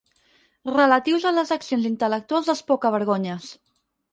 Relatius a les accions intel·lectuals dels poca-vergonyes.